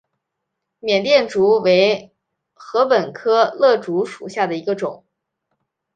缅甸竹为禾本科簕竹属下的一个种。